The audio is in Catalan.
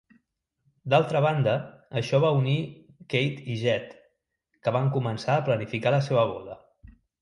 D'altra banda, això va unir Kate i Jed, que van començar a planificar la seva boda.